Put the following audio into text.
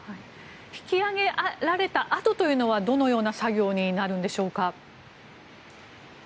引き揚げられたあとというのはどのような作業になるんでしょうか。